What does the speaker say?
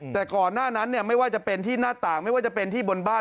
แต่ก่อนหน้านั้นไม่ว่าจะเป็นที่หน้าต่างไม่ว่าจะเป็นที่บนบ้าน